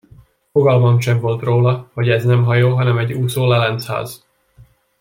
Fogalmam sem volt róla, hogy ez nem hajó, hanem egy úszó lelencház.